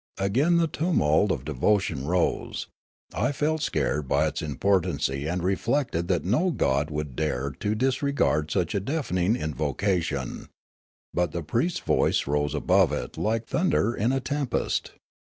Again the tumult of devotion rose ; I felt scared by its importunacy and reflected that no god would dare to disregard such a deafening invocation ; but the priest's voice rose above it like thunder in a temp est.